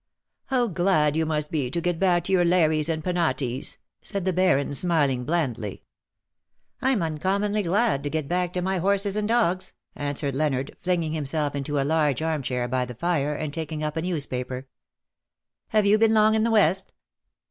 ^^'^ How glad you must be to get back to your Lares and Penates,^' said the Baron, smiliug blandly. VOL. III. I 114 "rm uncommonly glad to get back to my horses and dogs/^ answered Leonard, flinging him self into a large arm chair by the fire^ and taking up a newspaper. " Have you been long in the West?''